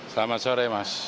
selamat sore mas